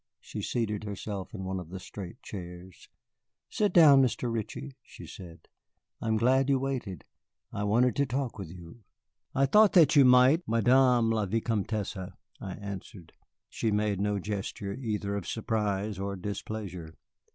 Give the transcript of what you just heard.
She seated herself in one of the straight chairs. "Sit down, Mr. Ritchie," she said; "I am glad you waited. I wanted to talk with you." "I thought that you might, Madame la Vicomtesse," I answered. She made no gesture, either of surprise or displeasure.